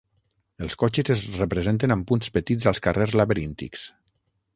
Els cotxes es representen amb punts petits als carrers laberíntics.